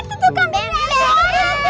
itu tuh kambingnya